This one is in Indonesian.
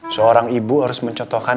seorang ibu harus mencotokkan